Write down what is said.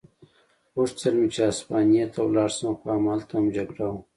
غوښتل مې چې هسپانیې ته ولاړ شم، خو همالته هم جګړه وه.